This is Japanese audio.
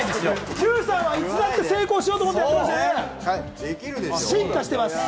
Ｑさんはいつだって成功しようと思ってやってますよ、進化してます。